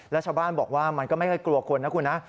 แล้วชาวบ้านบอกว่ามันก็ไม่ค่อยกลัวคนนะคุณนะ